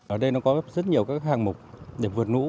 ở đây nó có rất nhiều các hạng mục để vượt nũ